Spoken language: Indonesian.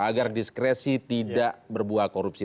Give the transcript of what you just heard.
agar diskresi tidak berbuah korupsi